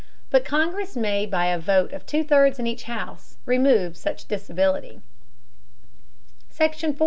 But Congress may by a vote of two thirds of each House, remove such disability. SECTION 4.